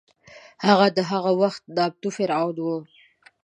هغه د هغه وخت نامتو فرعون و.